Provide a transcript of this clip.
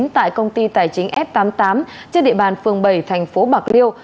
tại công ty tài chính f tám mươi tám trên địa bàn phường bảy thành phố bạc liêu